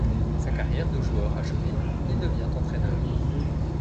Sa carrière de joueur achevée, il devient entraîneur.